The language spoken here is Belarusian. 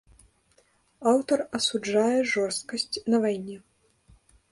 Аўтар асуджае жорсткасць на вайне.